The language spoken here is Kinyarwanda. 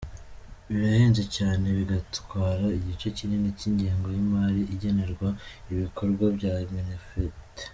Birahenze cyane, bigatwara igice kinini cy’ingengo y’imari igenerwa ibikorwa bya Minaffet.